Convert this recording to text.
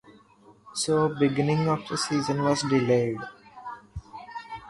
So beginning of this season was delayed.